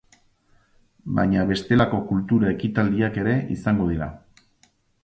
Baina bestelako kultura ekitaldiak ere izango dira.